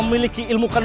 usahaania dan pikiran